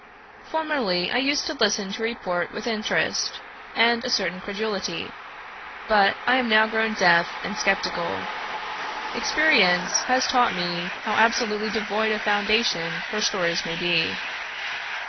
Formerly I used to listen to report with interest, and a certain credulity; but I am now grown deaf and sceptical: experience has taught me how absolutely devoid of foundation her stories may be."